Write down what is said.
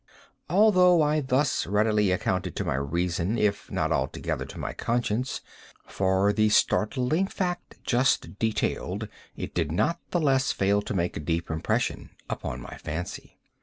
Although I thus readily accounted to my reason, if not altogether to my conscience, for the startling fact just detailed, it did not the less fail to make a deep impression upon my fancy.